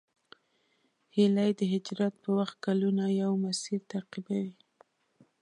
هیلۍ د هجرت په وخت کلونه یو مسیر تعقیبوي